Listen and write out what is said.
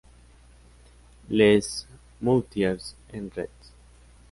Les Moutiers-en-Retz